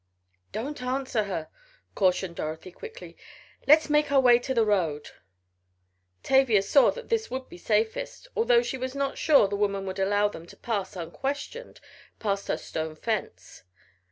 "Don't answer her," cautioned Dorothy quickly. "Let's make our way to the road." Tavia saw that this would be safest, although she was not sure the woman would allow them to pass unquestioned past her stone fence.